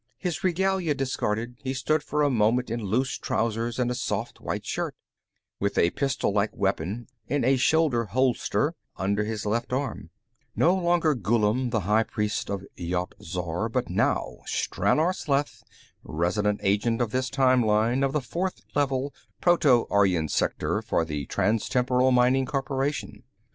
His regalia discarded, he stood for a moment in loose trousers and a soft white shirt, with a pistollike weapon in a shoulder holster under his left arm no longer Ghullam the high priest of Yat Zar, but now Stranor Sleth, resident agent on this time line of the Fourth Level Proto Aryan Sector for the Transtemporal Mining Corporation.